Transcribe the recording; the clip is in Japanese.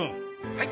はい。